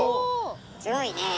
すごいねえ。